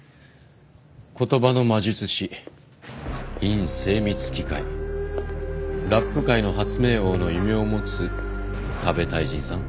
「言葉の魔術師」「韻精密機械」「ラップ界の発明王」の異名を持つＫＡＢＥ太人さん